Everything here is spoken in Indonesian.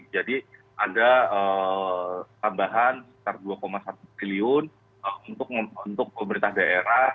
jadi ada tambahan sekitar rp dua satu bilion untuk pemerintah daerah